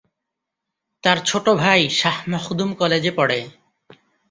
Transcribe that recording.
তার ছোট ভাই শাহ মখদুম কলেজে পড়ে।